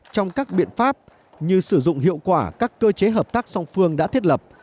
trong các biện pháp như sử dụng hiệu quả các cơ chế hợp tác song phương đã thiết lập